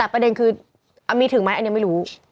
แต่ประเด็นคือมีถึงไหมอันนี้ไม่รู้